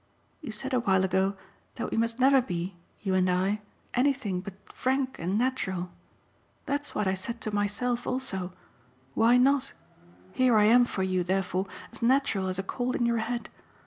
You said a while ago that we must never be you and I anything but frank and natural. That's what I said to myself also why not? Here I am for you therefore as natural as a cold in your head.